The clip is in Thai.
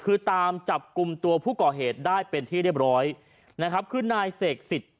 คือตามจับกลุ่มตัวผู้ก่อเหตุได้เป็นที่เรียบร้อยนะครับคือนายเสกสิทธิ